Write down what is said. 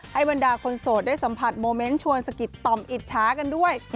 บรรดาคนโสดได้สัมผัสโมเมนต์ชวนสะกิดต่อมอิจฉากันด้วย